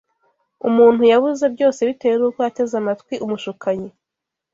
Umuntu yabuze byose bitewe n’uko yateze amatwi umushukanyi